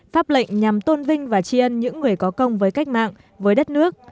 pháp lệnh nhằm tôn vinh và tri ân những người có công với cách mạng với đất nước